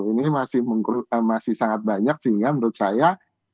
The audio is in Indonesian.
ini masih sangat banyak sehingga menurut saya